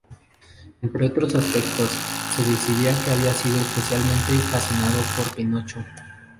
Entre otros aspectos, se decía que había sido especialmente fascinado por Pinocho.